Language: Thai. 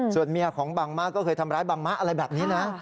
ส่วนเมียของบังมะก็เคยทำร้ายบังมะอะไรแบบนี้นะ